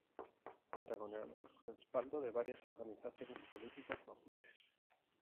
Cuenta con el respaldo de varias organizaciones políticas mapuches.